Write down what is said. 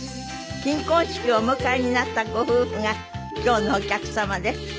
金婚式をお迎えになったご夫婦が今日のお客様です。